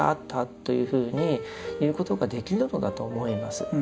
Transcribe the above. というふうに言うことができるのだと思います。